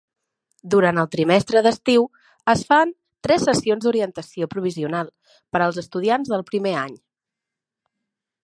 Durant el trimestre d'estiu es fan tres sessions d'orientació provisional per als estudiants del primer any.